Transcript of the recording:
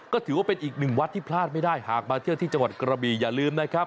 ก็ถือว่าเป็นอีกหนึ่งวัดที่พลาดไม่ได้หากมาเที่ยวที่จังหวัดกระบีอย่าลืมนะครับ